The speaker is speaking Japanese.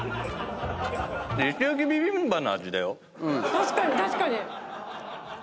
確かに確かに！